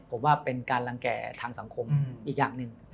ผมว่าเป็นการรังแก่ทางสังคมอีกอย่างหนึ่ง